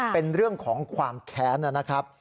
เป็นเรื่องของความแค้นนะครับ